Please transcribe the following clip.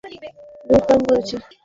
আমরা উভয়ই একই মায়ের দুধ পান করেছি।